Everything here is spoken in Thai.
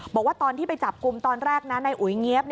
บอกว่าตอนที่ไปจับกลุ่มตอนแรกนะในอุ๋ยเงี๊ยบ